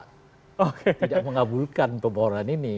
tidak mengabulkan pembohoran ini